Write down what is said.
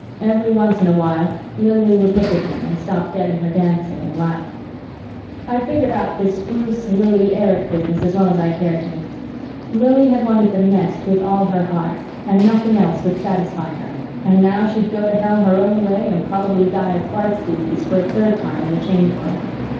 Every once in a while Lili would look at him and stop dead in her dancing and laugh. I'd figured out this Bruce Lili Erich business as well as I cared to. Lili had wanted the nest with all her heart and nothing else would ever satisfy her, and now she'd go to hell her own way and probably die of Bright's disease for a third time in the Change World.